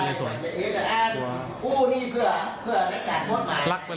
ลักษณ์มากกว่า